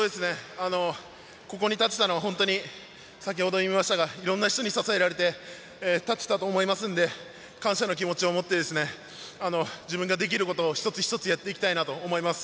ここに立てたのは本当に先程も言いましたがいろんな人に支えられて立てたと思うので感謝の気持ちを持って自分ができることを一つ一つやっていきたいなと思います。